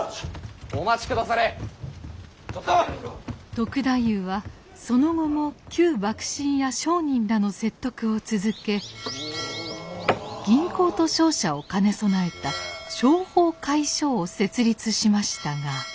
篤太夫はその後も旧幕臣や商人らの説得を続け銀行と商社を兼ね備えた商法會所を設立しましたが。